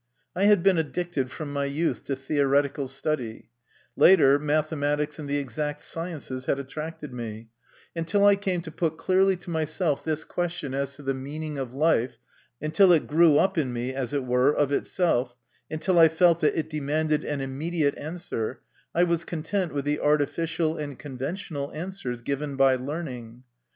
I had been addicted from my youth to theoretical study ; later, mathematics and the exact sciences had attracted me ; and till I came to put clearly to myself this question as to the meaning of life, until it grew up in me, as it were, of itself, and till I felt that it demanded an immediate answer, I was content with the artificial and conventional answers given by learning.